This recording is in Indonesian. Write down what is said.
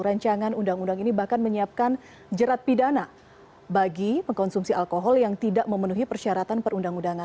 rancangan undang undang ini bahkan menyiapkan jerat pidana bagi pengkonsumsi alkohol yang tidak memenuhi persyaratan perundang undangan